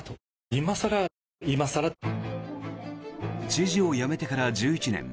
知事を辞めてから１１年。